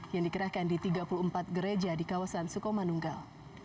yang dikerahkan di tiga puluh empat gereja di kawasan sukomanunggal